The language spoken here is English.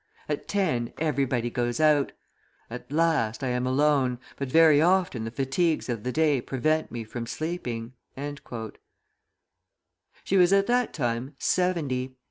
At ten, everybody goes out. At last I am alone, but very often the fatigues of the day prevent me from sleeping." She was at that time seventy.